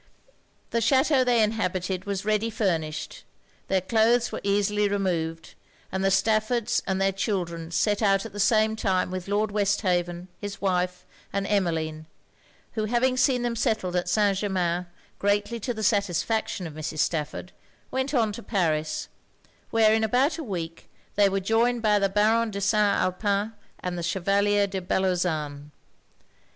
The chateau they inhabited was ready furnished; their cloaths were easily removed; and the Staffords and their children set out at the same time with Lord Westhaven, his wife, and Emmeline; who having seen them settled at St. Germains greatly to the satisfaction of Mrs. Stafford, went on to Paris; where, in about a week, they were joined by the Baron de St. Alpin, and the Chevalier de Bellozane.